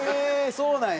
そうなんや。